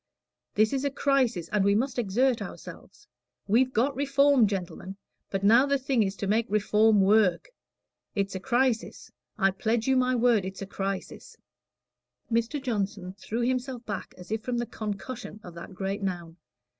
This is a crisis, and we must exert ourselves. We've got Reform, gentlemen, but now the thing is to make Reform work. It's a crisis I pledge you my word it's a crisis." Mr. Johnson threw himself back as if from the concussion of that great noun.